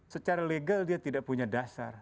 secara legal dia tidak punya dasar